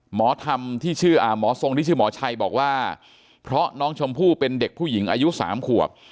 หมอธรรมที่ชื่อหมอทรงที่ชื่อหมอชัยบอกว่าเพราะน้องชมพู่เป็นเด็กผู้หญิงอายุ๓ขวบ